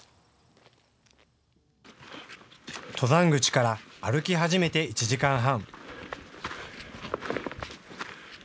登山口から歩き始めて１時間半。